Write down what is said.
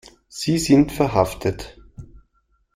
Sie sind verhaftet.